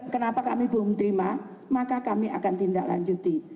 kenapa kami belum terima maka kami akan tindak lanjuti